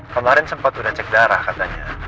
kemarin sempat udah cek darah katanya